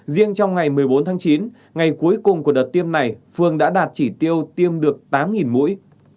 riêng trong ngày một mươi bốn tháng chín ngày cuối cùng của đợt tiêm này phương đã đạt chỉ tiêu tiêm được tám mũi